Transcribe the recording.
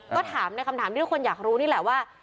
ก็ถามในคำถามที่ทุกคนอยากรู้นี่แหละว่า